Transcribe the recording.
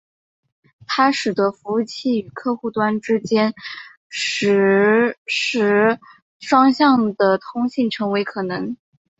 它使得服务器和客户端之间实时双向的通信成为可能。